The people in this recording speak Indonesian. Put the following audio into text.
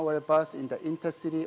menemukan bus kami di intercity